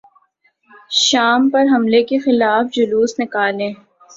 شام پر حملے کیخلاف جلوس نکالیں